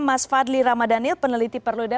mas fadli ramadhanil peneliti perluda